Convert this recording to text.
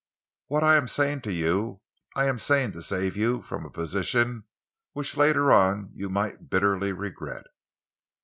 What I am saying to you, I am saying to save you from a position which later on you might bitterly regret."